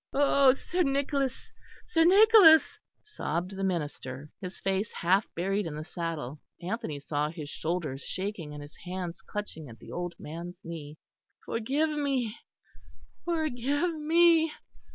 "Oh, Sir Nicholas, Sir Nicholas," sobbed the minister, his face half buried in the saddle. Anthony saw his shoulders shaking, and his hands clutching at the old man's knee. "Forgive me, forgive me."